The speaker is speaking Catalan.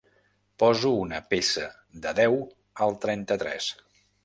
Poso una peça de deu al trenta-tres.